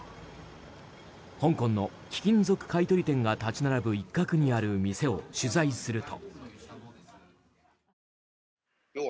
香港の貴金属買い取り店が立ち並ぶ一角にある店を取材すると。